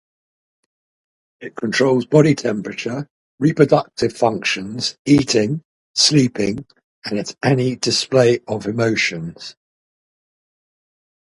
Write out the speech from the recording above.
It controls body temperature, reproductive functions, eating, sleeping, and any display of emotions.